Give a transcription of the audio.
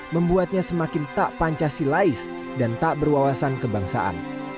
membuatnya semakin tak pancah silais dan tak berwawasan kebangsaan